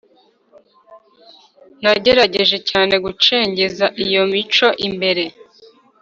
nagerageje cyane gucengeza iyo mico imbere,